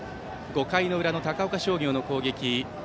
５回の裏の高岡商業の攻撃。